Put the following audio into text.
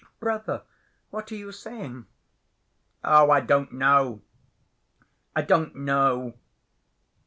"Brother, what are you saying?" "Oh, I don't know.... I don't know.